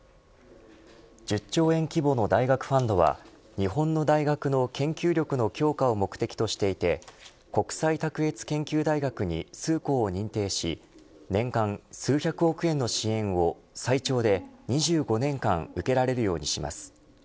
１０兆円規模の大学ファンドは日本の大学の研究力の強化を目的としていて国際卓越研究大学に数校認定し年間数百億円の支援を最長で２５年間受けられるようにします。